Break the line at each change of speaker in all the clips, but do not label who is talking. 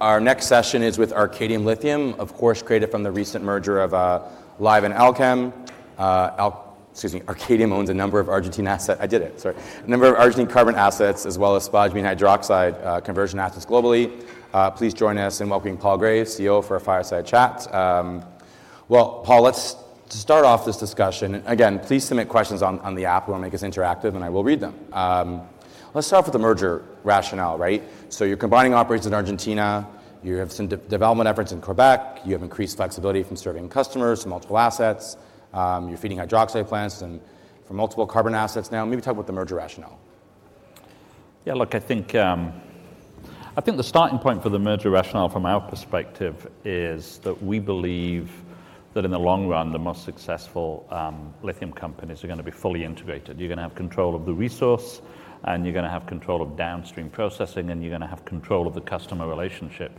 Our next session is with Arcadium Lithium, of course created from the recent merger of Livent and Allkem. Excuse me, Arcadium owns a number of Argentine assets—I did it, sorry—a number of Argentine carbonate assets, as well as spodumene hydroxide conversion assets globally. Please join us in welcoming Paul Graves, CEO, for Fireside Chat. Well, Paul, let's start off this discussion. Again, please submit questions on the app. We're going to make this interactive, and I will read them. Let's start off with the merger rationale, right? So you're combining operations in Argentina. You have some development efforts in Quebec. You have increased flexibility from serving customers to multiple assets. You're feeding hydroxide plants for multiple carbonate assets now. Maybe talk about the merger rationale.
Yeah, look, I think the starting point for the merger rationale, from our perspective, is that we believe that in the long run, the most successful lithium companies are going to be fully integrated. You're going to have control of the resource, and you're going to have control of downstream processing, and you're going to have control of the customer relationship.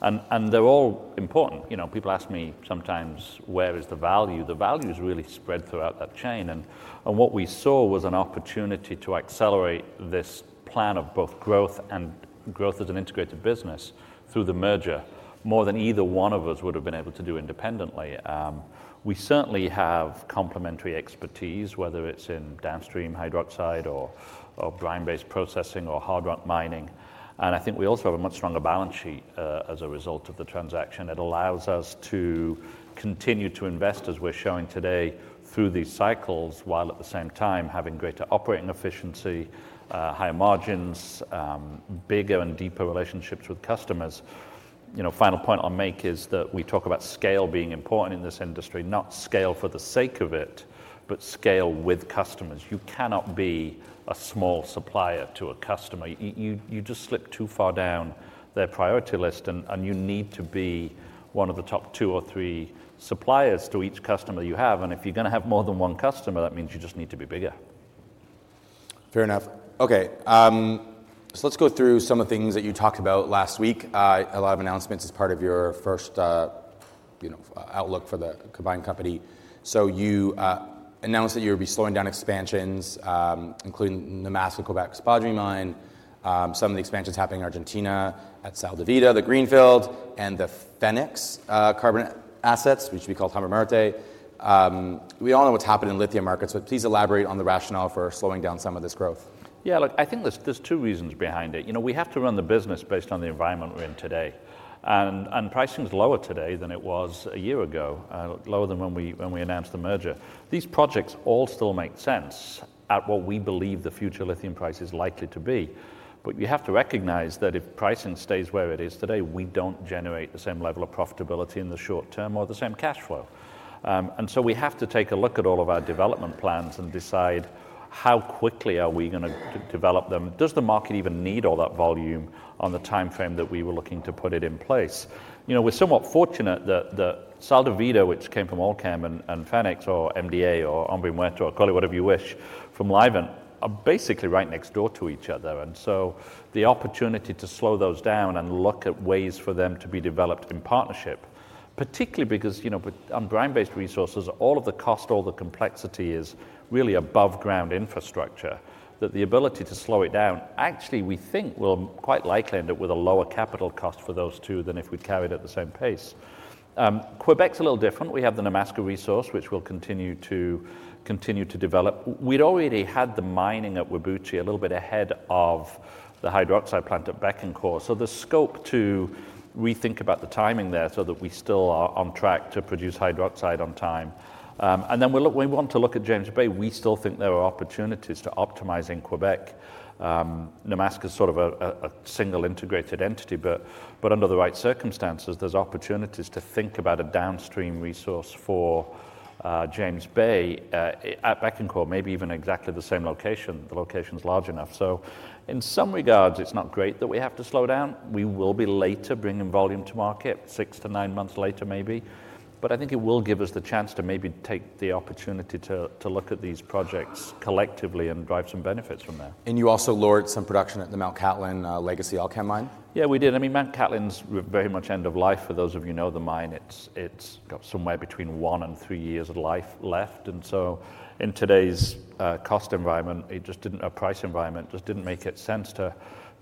And they're all important. People ask me sometimes, "Where is the value?" The value is really spread throughout that chain. And what we saw was an opportunity to accelerate this plan of both growth and growth as an integrated business through the merger, more than either one of us would have been able to do independently. We certainly have complementary expertise, whether it's in downstream hydroxide or brine-based processing or hard rock mining. I think we also have a much stronger balance sheet as a result of the transaction. It allows us to continue to invest, as we're showing today, through these cycles while, at the same time, having greater operating efficiency, higher margins, bigger and deeper relationships with customers. Final point I'll make is that we talk about scale being important in this industry, not scale for the sake of it, but scale with customers. You cannot be a small supplier to a customer. You just slip too far down their priority list, and you need to be one of the top two or three suppliers to each customer you have. If you're going to have more than one customer, that means you just need to be bigger.
Fair enough. OK, so let's go through some of the things that you talked about last week, a lot of announcements as part of your first outlook for the combined company. So you announced that you would be slowing down expansions, including Nemaska, Québec, spodumene mine, some of the expansions happening in Argentina at Sal de Vida, the greenfield, and the Fénix carbonate assets, which we call the marquee. We all know what's happened in lithium markets, but please elaborate on the rationale for slowing down some of this growth.
Yeah, look, I think there's two reasons behind it. We have to run the business based on the environment we're in today. Pricing is lower today than it was a year ago, lower than when we announced the merger. These projects all still make sense at what we believe the future lithium price is likely to be. But you have to recognize that if pricing stays where it is today, we don't generate the same level of profitability in the short term or the same cash flow. And so we have to take a look at all of our development plans and decide how quickly are we going to develop them. Does the market even need all that volume on the time frame that we were looking to put it in place? We're somewhat fortunate that Sal de Vida, which came from Allkem and Fénix, or Salar del Hombre Muerto, or call it whatever you wish, from Livent are basically right next door to each other. And so the opportunity to slow those down and look at ways for them to be developed in partnership, particularly because on brine-based resources, all of the cost, all the complexity is really above-ground infrastructure, that the ability to slow it down, actually, we think will quite likely end up with a lower capital cost for those two than if we carried at the same pace. Quebec's a little different. We have the Nemaska resource, which we'll continue to develop. We'd already had the mining at Whabouchi a little bit ahead of the hydroxide plant at Bécancour. So the scope to rethink about the timing there so that we still are on track to produce hydroxide on time. And then when we want to look at James Bay, we still think there are opportunities to optimize in Quebec. Nemaska's sort of a single integrated entity, but under the right circumstances, there's opportunities to think about a downstream resource for James Bay at Bécancour, maybe even exactly the same location. The location's large enough. So in some regards, it's not great that we have to slow down. We will be later bringing volume to market, six-nine months later, maybe. But I think it will give us the chance to maybe take the opportunity to look at these projects collectively and drive some benefits from there.
You also lowered some production at the Mount Cattlin legacy Allkem mine?
Yeah, we did. I mean, Mount Cattlin's very much end of life. For those of you who know the mine, it's got somewhere between one and three years of life left. And so in today's cost environment, a price environment just didn't make sense to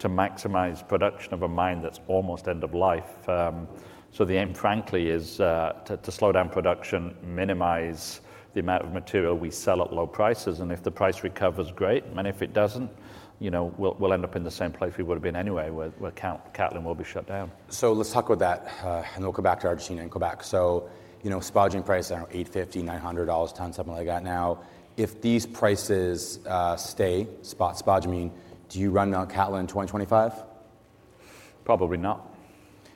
maximize production of a mine that's almost end of life. So the aim, frankly, is to slow down production, minimize the amount of material we sell at low prices. And if the price recovers, great. And if it doesn't, we'll end up in the same place we would have been anyway, where Cattlin will be shut down.
So let's talk about that, and then we'll come back to Argentina and Quebec. So spodumene prices, I don't know, $850-$900 a ton, something like that. Now, if these prices stay, spot spodumene, do you run Mount Cattlin in 2025?
Probably not.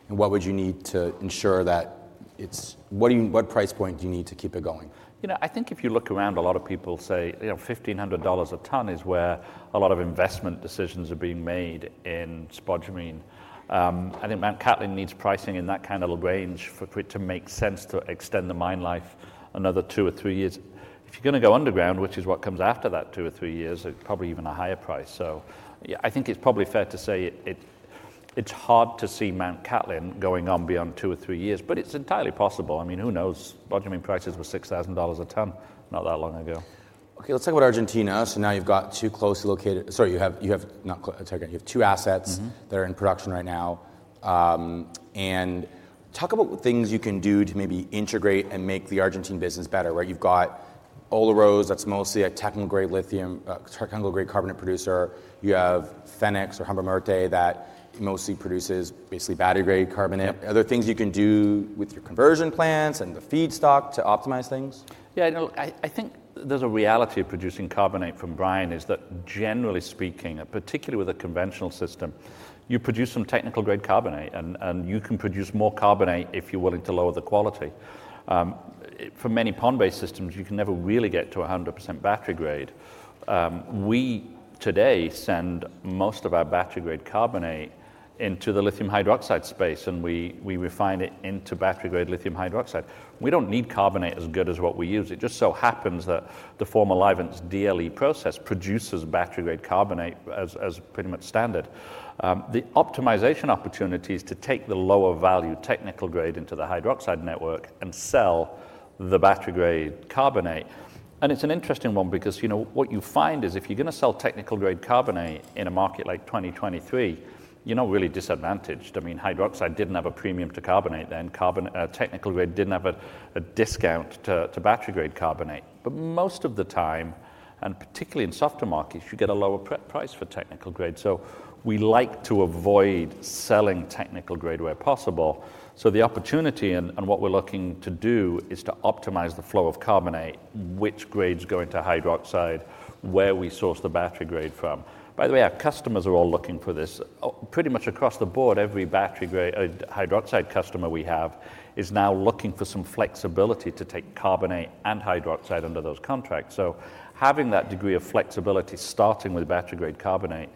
What would you need to ensure that it's what price point do you need to keep it going?
You know, I think if you look around, a lot of people say $1,500 a ton is where a lot of investment decisions are being made in spodumene. I think Mount Cattlin needs pricing in that kind of little range for it to make sense to extend the mine life another two or three years. If you're going to go underground, which is what comes after that two or three years, probably even a higher price. So I think it's probably fair to say it's hard to see Mount Cattlin going on beyond two or three years. But it's entirely possible. I mean, who knows? Spodumene prices were $6,000 a ton not that long ago.
OK, let's talk about Argentina. So now you have two assets that are in production right now. Talk about things you can do to maybe integrate and make the Argentine business better, right? You've got Olaroz. That's mostly a technical-grade lithium, technical-grade carbonate producer. You have Fénix or Hombre Muerto that mostly produces basically battery-grade carbonate. Are there things you can do with your conversion plants and the feedstock to optimize things?
Yeah, I think there's a reality of producing carbonate from brine is that, generally speaking, particularly with a conventional system, you produce some technical-grade carbonate. And you can produce more carbonate if you're willing to lower the quality. For many pond-based systems, you can never really get to 100% battery-grade. We today send most of our battery-grade carbonate into the lithium hydroxide space, and we refine it into battery-grade lithium hydroxide. We don't need carbonate as good as what we use. It just so happens that the formerly Livent's DLE process produces battery-grade carbonate as pretty much standard. The optimization opportunity is to take the lower value technical-grade into the hydroxide network and sell the battery-grade carbonate. And it's an interesting one because what you find is if you're going to sell technical-grade carbonate in a market like 2023, you're not really disadvantaged. I mean, hydroxide didn't have a premium to carbonate then. Technical grade didn't have a discount to battery-grade carbonate. But most of the time, and particularly in softer markets, you get a lower price for technical grade. So we like to avoid selling technical grade where possible. So the opportunity and what we're looking to do is to optimize the flow of carbonate, which grade is going to hydroxide, where we source the battery grade from. By the way, our customers are all looking for this. Pretty much across the board, every hydroxide customer we have is now looking for some flexibility to take carbonate and hydroxide under those contracts. So having that degree of flexibility starting with battery-grade carbonate,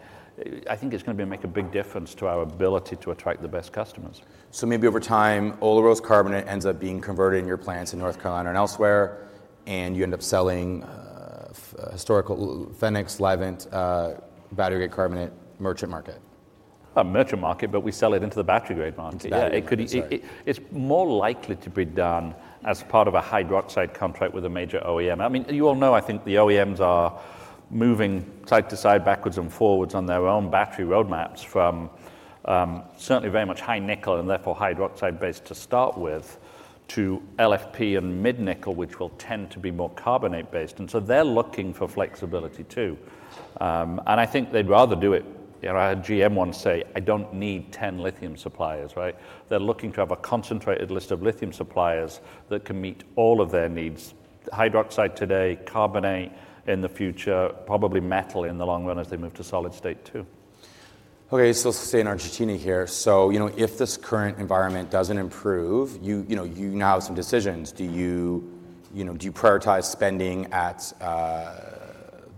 I think it's going to make a big difference to our ability to attract the best customers.
So maybe over time, Olaroz carbonate ends up being converted in your plants in North Carolina and elsewhere, and you end up selling historical Fénix, Livent and battery-grade carbonate merchant market?
Merchant market, but we sell it into the battery-grade market. Yeah, it could be it's more likely to be done as part of a hydroxide contract with a major OEM. I mean, you all know, I think the OEMs are moving side to side, backwards and forwards on their own battery roadmaps from certainly very much high nickel and therefore hydroxide-based to start with to LFP and mid-nickel, which will tend to be more carbonate-based. And so they're looking for flexibility, too. And I think they'd rather do it. I heard GM once say, "I don't need 10 lithium suppliers," right? They're looking to have a concentrated list of lithium suppliers that can meet all of their needs: hydroxide today, carbonate in the future, probably metal in the long run as they move to solid state, too.
OK, so staying in Argentina here. So if this current environment doesn't improve, you now have some decisions. Do you prioritize spending at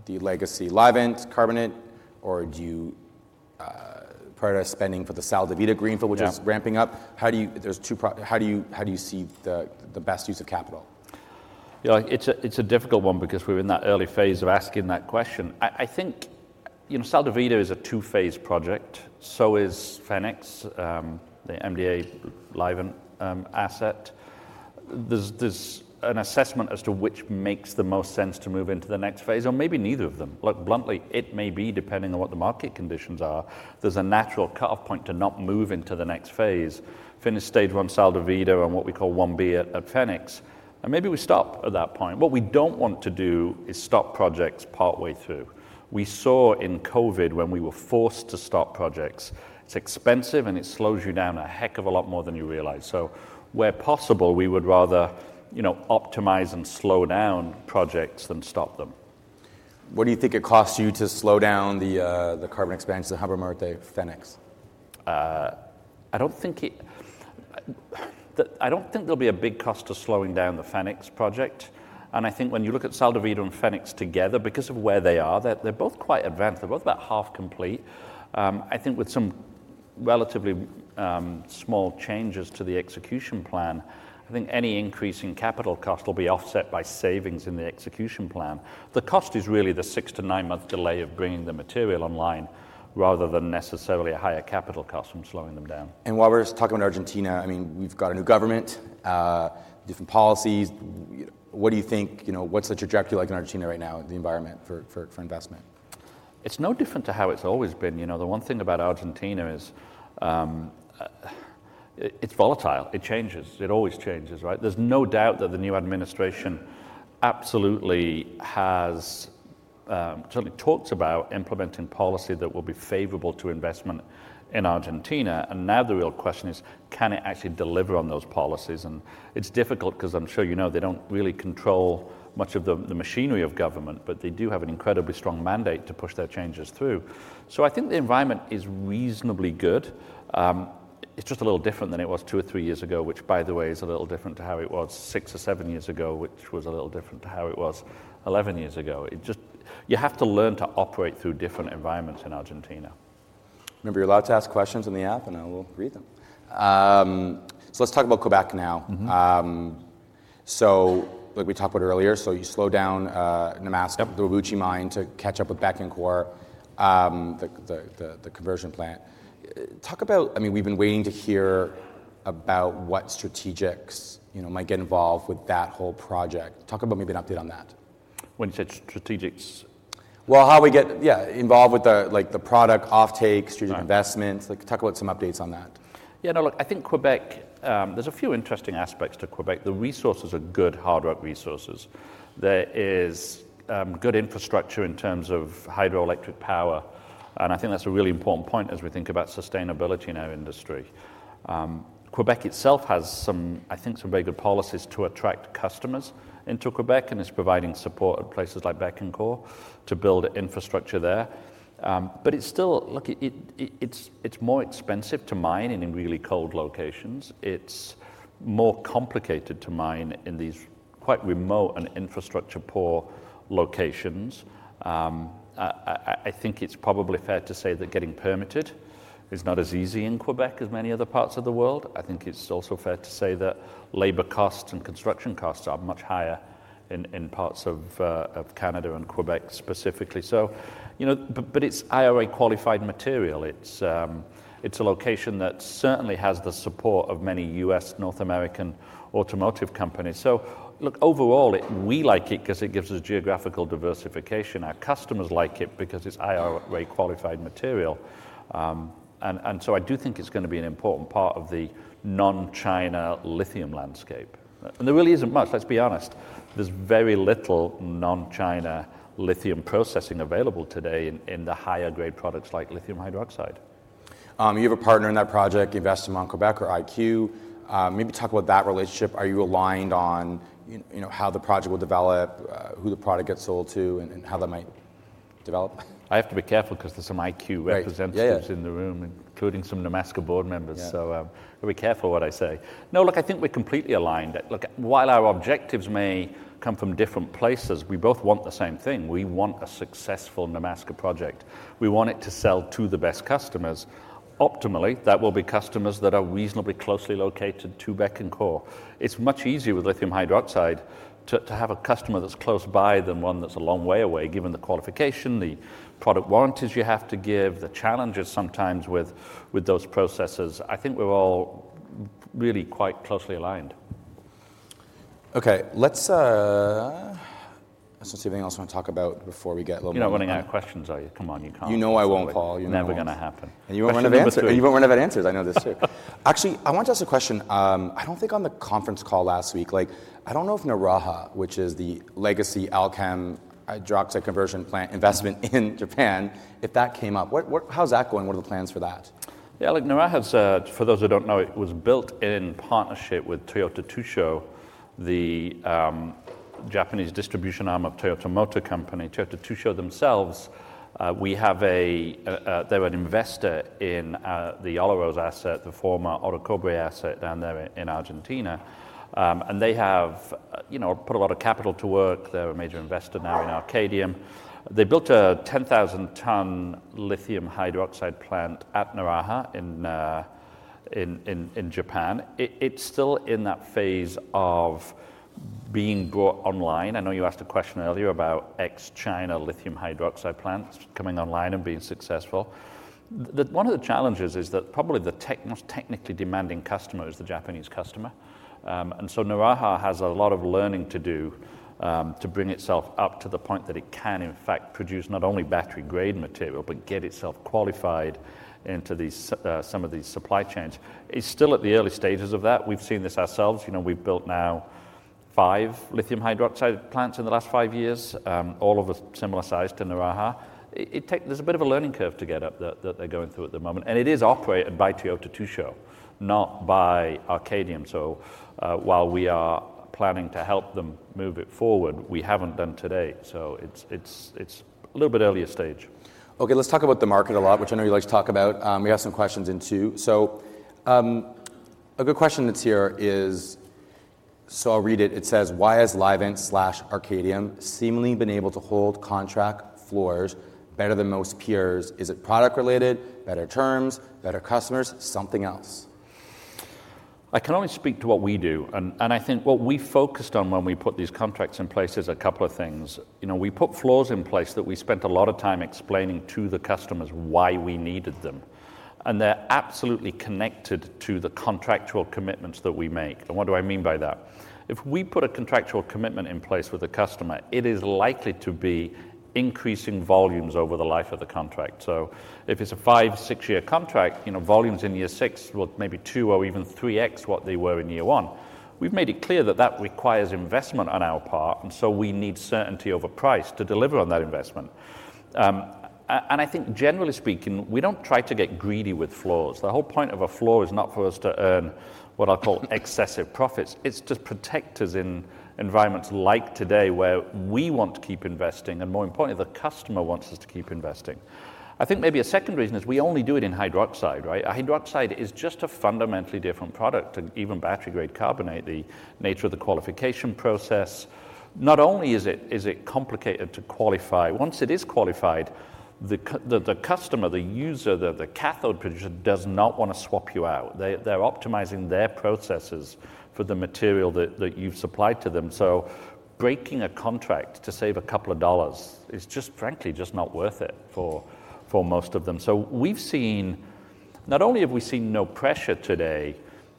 the legacy Livent carbonate, or do you prioritize spending for the Sal de Vida greenfield, which is ramping up? How do you see the best use of capital?
Yeah, it's a difficult one because we're in that early phase of asking that question. I think Sal de Vida is a 2-phase project. So is Fénix, the MdA Live and asset. There's an assessment as to which makes the most sense to move into the next phase, or maybe neither of them. Look, bluntly, it may be, depending on what the market conditions are, there's a natural cutoff point to not move into the next phase: finish stage 1 Sal de Vida and what we call 1B at Fénix. And maybe we stop at that point. What we don't want to do is stop projects partway through. We saw in COVID when we were forced to stop projects, it's expensive, and it slows you down a heck of a lot more than you realize. So where possible, we would rather optimize and slow down projects than stop them.
What do you think it costs you to slow down the carbonate expansion, the Hombre Muerto, Fénix?
I don't think there'll be a big cost to slowing down the Fénix project. I think when you look at Sal de Vida and Fénix together, because of where they are, they're both quite advanced. They're both about half complete. I think with some relatively small changes to the execution plan, I think any increase in capital cost will be offset by savings in the execution plan. The cost is really the six-nine-month delay of bringing the material online rather than necessarily a higher capital cost from slowing them down.
While we're talking about Argentina, I mean, we've got a new government, different policies. What do you think what's the trajectory like in Argentina right now, the environment for investment?
It's no different than how it's always been. The one thing about Argentina is it's volatile. It changes. It always changes, right? There's no doubt that the new administration absolutely has certainly talked about implementing policy that will be favorable to investment in Argentina. And now the real question is, can it actually deliver on those policies? And it's difficult because I'm sure you know they don't really control much of the machinery of government, but they do have an incredibly strong mandate to push their changes through. So I think the environment is reasonably good. It's just a little different than it was two or three years ago, which, by the way, is a little different than how it was six or seven years ago, which was a little different than how it was 11 years ago. You have to learn to operate through different environments in Argentina.
Remember, you're allowed to ask questions in the app, and I will read them. So let's talk about Québec now. So like we talked about earlier, so you slow down Nemaska, the Whabouchi mine to catch up with Bécancour, the conversion plant. Talk about I mean, we've been waiting to hear about what strategics might get involved with that whole project. Talk about maybe an update on that.
When you said strategics?
Well, how we get, yeah, involved with the product offtake, strategic investments. Talk about some updates on that.
Yeah, no, look, I think Quebec there's a few interesting aspects to Quebec. The resources are good, hard rock resources. There is good infrastructure in terms of hydroelectric power. And I think that's a really important point as we think about sustainability in our industry. Quebec itself has some, I think, some very good policies to attract customers into Quebec and is providing support at places like Bécancour to build infrastructure there. But it's still, look, it's more expensive to mine in really cold locations. It's more complicated to mine in these quite remote and infrastructure-poor locations. I think it's probably fair to say that getting permitted is not as easy in Quebec as many other parts of the world. I think it's also fair to say that labor costs and construction costs are much higher in parts of Canada and Quebec specifically. But it's IRA qualified material. It's a location that certainly has the support of many U.S., North American automotive companies. So look, overall, we like it because it gives us geographical diversification. Our customers like it because it's IRA qualified material. And so I do think it's going to be an important part of the non-China lithium landscape. And there really isn't much, let's be honest. There's very little non-China lithium processing available today in the higher-grade products like lithium hydroxide.
You have a partner in that project, Investissement Québec, or IQ. Maybe talk about that relationship. Are you aligned on how the project will develop, who the product gets sold to, and how that might develop?
I have to be careful because there's some IQ representatives in the room, including some Nemaska board members. So be careful what I say. No, look, I think we're completely aligned. Look, while our objectives may come from different places, we both want the same thing. We want a successful Nemaska project. We want it to sell to the best customers. Optimally, that will be customers that are reasonably closely located to Bécancour. It's much easier with lithium hydroxide to have a customer that's close by than one that's a long way away, given the qualification, the product warranties you have to give, the challenges sometimes with those processes. I think we're all really quite closely aligned.
OK, let's see if anything else you want to talk about before we get a little more.
You're not running out of questions, are you? Come on, you can't.
You know I won't, Paul.
Never going to happen.
You won't run out of answers. I know this, too. Actually, I want to ask a question. I don't think on the conference call last week, I don't know if Naraha, which is the legacy Allkem hydroxide conversion plant investment in Japan, if that came up, how's that going? What are the plans for that?
Yeah, look, Naraha's, for those who don't know, it was built in partnership with Toyota Tsusho, the Japanese distribution arm of Toyota Motor Company. Toyota Tsusho themselves, they're an investor in the Olaroz asset, the former Orocobre asset down there in Argentina. And they have put a lot of capital to work. They're a major investor now in Arcadium. They built a 10,000-ton lithium hydroxide plant at Naraha in Japan. It's still in that phase of being brought online. I know you asked a question earlier about ex-China lithium hydroxide plants coming online and being successful. One of the challenges is that probably the most technically demanding customer is the Japanese customer. And so Naraha has a lot of learning to do to bring itself up to the point that it can, in fact, produce not only battery-grade material but get itself qualified into some of these supply chains. It's still at the early stages of that. We've seen this ourselves. We've built now 5 lithium hydroxide plants in the last 5 years, all of a similar size to Naraha. There's a bit of a learning curve to get up that they're going through at the moment. And it is operated by Toyota Tsusho, not by Arcadium. So while we are planning to help them move it forward, we haven't done today. So it's a little bit earlier stage.
OK, let's talk about the market a lot, which I know you like to talk about. We have some questions in, too. So a good question that's here is so I'll read it. It says, why has Livent and/or Arcadium seemingly been able to hold contract floors better than most peers? Is it product-related, better terms, better customers, something else?
I can only speak to what we do. And I think what we focused on when we put these contracts in place is a couple of things. We put floors in place that we spent a lot of time explaining to the customers why we needed them. And they're absolutely connected to the contractual commitments that we make. And what do I mean by that? If we put a contractual commitment in place with a customer, it is likely to be increasing volumes over the life of the contract. So if it's a five, six-year contract, volumes in year six will maybe two or even 3x what they were in year one. We've made it clear that that requires investment on our part. And so we need certainty over price to deliver on that investment. And I think, generally speaking, we don't try to get greedy with floors. The whole point of a floor is not for us to earn what I'll call excessive profits. It's to protect us in environments like today where we want to keep investing. And more importantly, the customer wants us to keep investing. I think maybe a second reason is we only do it in hydroxide, right? Hydroxide is just a fundamentally different product than even battery-grade carbonate, the nature of the qualification process. Not only is it complicated to qualify, once it is qualified, the customer, the user, the cathode producer does not want to swap you out. They're optimizing their processes for the material that you've supplied to them. So breaking a contract to save a couple of dollars is just, frankly, just not worth it for most of them. So we've seen not only have we seen no pressure today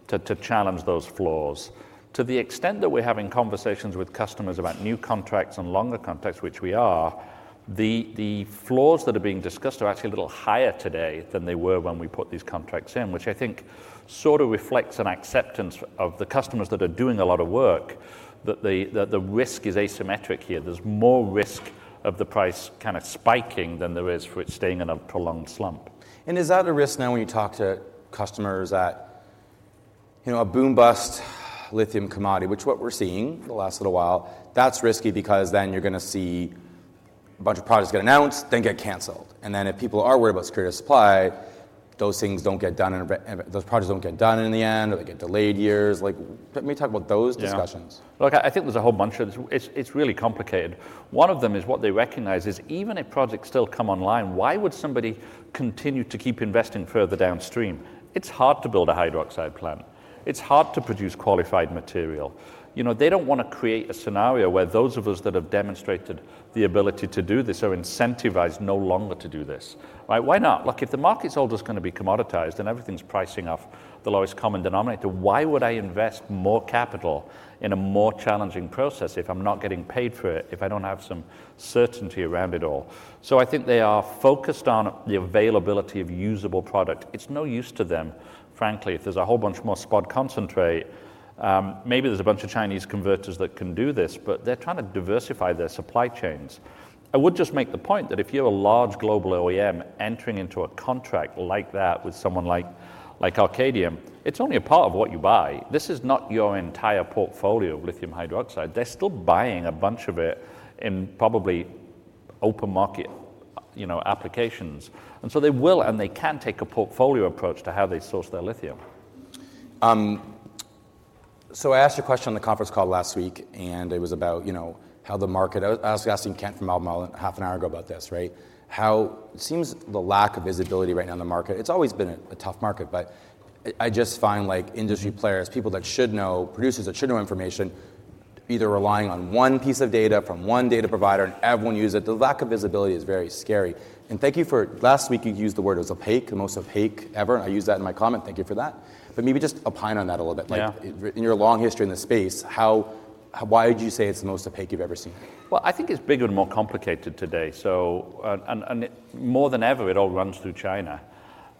to challenge those floors, to the extent that we're having conversations with customers about new contracts and longer contracts, which we are, the floors that are being discussed are actually a little higher today than they were when we put these contracts in, which I think sort of reflects an acceptance of the customers that are doing a lot of work that the risk is asymmetric here. There's more risk of the price kind of spiking than there is for it staying in a prolonged slump.
Is that a risk now when you talk to customers at a boom-bust lithium commodity, which is what we're seeing the last little while? That's risky because then you're going to see a bunch of projects get announced, then get canceled. Then if people are worried about security of supply, those things don't get done, and those projects don't get done in the end, or they get delayed years. Let me talk about those discussions.
Yeah, look, I think there's a whole bunch of them. It's really complicated. One of them is what they recognize is even if projects still come online, why would somebody continue to keep investing further downstream? It's hard to build a hydroxide plant. It's hard to produce qualified material. They don't want to create a scenario where those of us that have demonstrated the ability to do this are incentivized no longer to do this, right? Why not? Look, if the market's all just going to be commoditized and everything's pricing off the lowest common denominator, why would I invest more capital in a more challenging process if I'm not getting paid for it, if I don't have some certainty around it all? So I think they are focused on the availability of usable product. It's no use to them, frankly, if there's a whole bunch more spod concentrate. Maybe there's a bunch of Chinese converters that can do this, but they're trying to diversify their supply chains. I would just make the point that if you're a large global OEM entering into a contract like that with someone like Arcadium, it's only a part of what you buy. This is not your entire portfolio of lithium hydroxide. They're still buying a bunch of it in probably open market applications. And so they will, and they can take a portfolio approach to how they source their lithium.
So, I asked you a question on the conference call last week, and it was about how the market. I was asking Kent from Albemarle half an hour ago about this, right? It seems the lack of visibility right now in the market. It's always been a tough market. But I just find industry players, people that should know, producers that should know information, either relying on one piece of data from one data provider and everyone using it. The lack of visibility is very scary. And thank you for last week, you used the word. It was opaque, the most opaque ever. I used that in my comment. Thank you for that. But maybe just opine on that a little bit. In your long history in the space, why would you say it's the most opaque you've ever seen?
Well, I think it's bigger and more complicated today. More than ever, it all runs through China.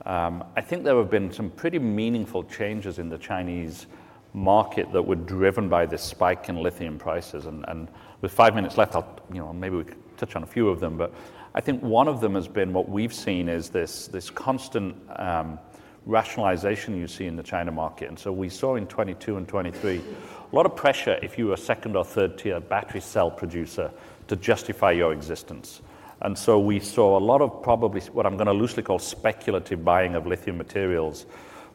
I think there have been some pretty meaningful changes in the Chinese market that were driven by this spike in lithium prices. With five minutes left, maybe we touch on a few of them. But I think one of them has been what we've seen is this constant rationalization you see in the China market. So we saw in 2022 and 2023 a lot of pressure if you were a second or third-tier battery cell producer to justify your existence. So we saw a lot of probably what I'm going to loosely call speculative buying of lithium materials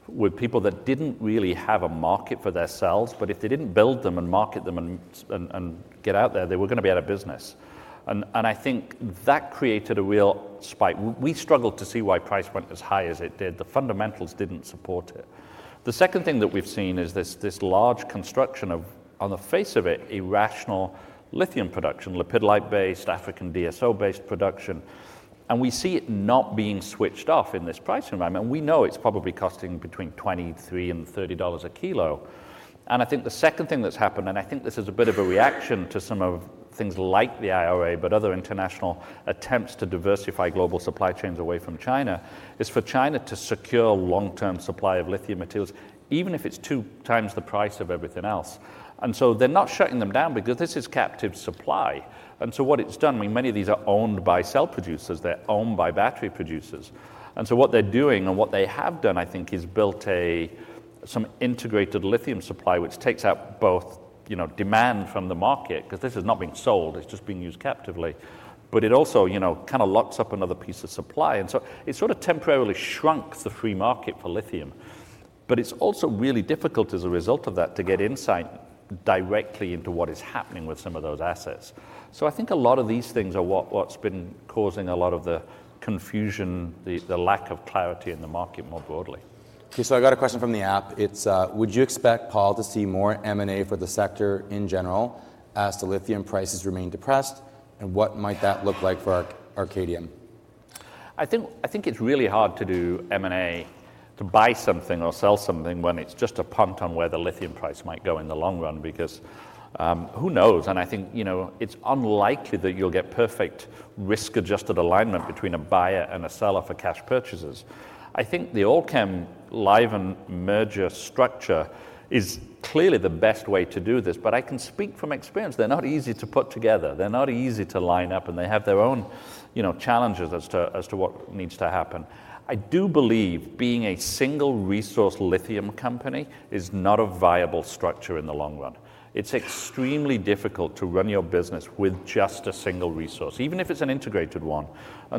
with people that didn't really have a market for their cells. But if they didn't build them and market them and get out there, they were going to be out of business. And I think that created a real spike. We struggled to see why price went as high as it did. The fundamentals didn't support it. The second thing that we've seen is this large construction of, on the face of it, irrational lithium production, lepidolite-based, African DSO-based production. And we see it not being switched off in this price environment. And we know it's probably costing between $23-$30 a kilo. And I think the second thing that's happened and I think this is a bit of a reaction to some of things like the IRA but other international attempts to diversify global supply chains away from China is for China to secure long-term supply of lithium materials, even if it's two times the price of everything else. And so they're not shutting them down because this is captive supply. And so what it's done, I mean, many of these are owned by cell producers. They're owned by battery producers. And so what they're doing and what they have done, I think, is built some integrated lithium supply, which takes out both demand from the market because this is not being sold. It's just being used captively. But it also kind of locks up another piece of supply. And so it sort of temporarily shrinks the free market for lithium. But it's also really difficult, as a result of that, to get insight directly into what is happening with some of those assets. So I think a lot of these things are what's been causing a lot of the confusion, the lack of clarity in the market more broadly.
OK, so I got a question from the app. It's, would you expect, Paul, to see more M&A for the sector in general as the lithium prices remain depressed? And what might that look like for Arcadium?
I think it's really hard to do M&A, to buy something or sell something when it's just a punt on where the lithium price might go in the long run because who knows? I think it's unlikely that you'll get perfect risk-adjusted alignment between a buyer and a seller for cash purchases. I think the Allkem Livent merger structure is clearly the best way to do this. I can speak from experience. They're not easy to put together. They're not easy to line up. And they have their own challenges as to what needs to happen. I do believe being a single-resource lithium company is not a viable structure in the long run. It's extremely difficult to run your business with just a single resource, even if it's an integrated one.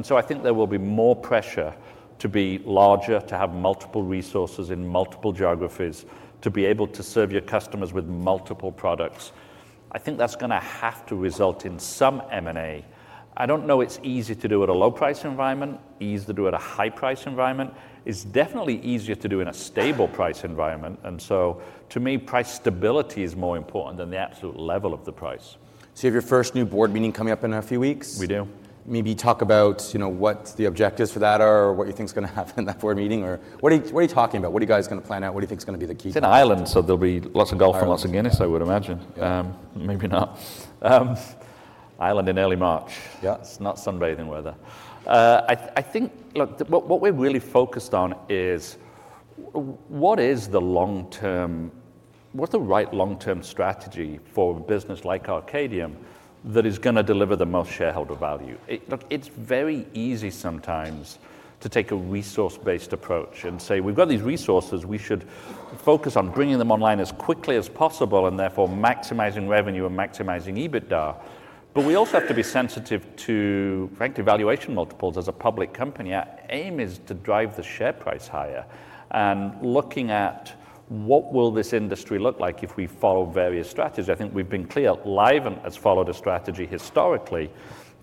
So I think there will be more pressure to be larger, to have multiple resources in multiple geographies, to be able to serve your customers with multiple products. I think that's going to have to result in some M&A. I don't know it's easy to do at a low-price environment, easy to do at a high-price environment. It's definitely easier to do in a stable price environment. So to me, price stability is more important than the absolute level of the price.
You have your first new board meeting coming up in a few weeks?
We do.
Maybe talk about what the objectives for that are or what you think is going to happen in that board meeting. Or what are you talking about? What are you guys going to plan out? What do you think is going to be the key point?
It's an island. So there'll be lots of golf and lots of Guinness, I would imagine. Maybe not. Ireland in early March. Yeah, it's not sunbathing weather. I think what we're really focused on is what is the right long-term strategy for a business like Arcadium that is going to deliver the most shareholder value? It's very easy sometimes to take a resource-based approach and say, we've got these resources. We should focus on bringing them online as quickly as possible and therefore maximizing revenue and maximizing EBITDA. But we also have to be sensitive to, frankly, valuation multiples as a public company. Our aim is to drive the share price higher. Looking at what will this industry look like if we follow various strategies I think we've been clear. Livent has followed a strategy historically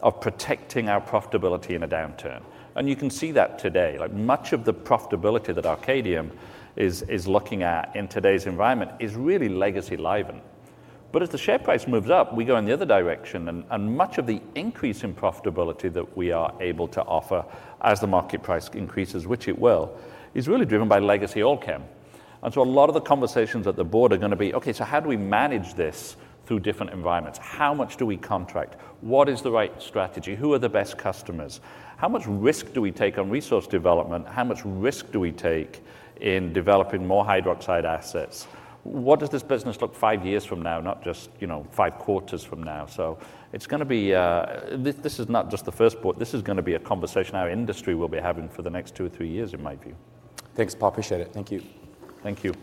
of protecting our profitability in a downturn. You can see that today. Much of the profitability that Arcadium is looking at in today's environment is really legacy Livent. But as the share price moves up, we go in the other direction. And much of the increase in profitability that we are able to offer as the market price increases, which it will, is really driven by legacy Allkem. And so a lot of the conversations at the board are going to be, OK, so how do we manage this through different environments? How much do we contract? What is the right strategy? Who are the best customers? How much risk do we take on resource development? How much risk do we take in developing more hydroxide assets? What does this business look like five years from now, not just five quarters from now? So this is not just the first board. This is going to be a conversation our industry will be having for the next two or three years, in my view.
Thanks, Paul. Appreciate it. Thank you.
Thank you.